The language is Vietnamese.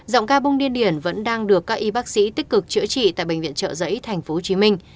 giọng ca bung điên điển vẫn đang được các y bác sĩ tích cực chữa trị tại bệnh viện trợ giấy tp hcm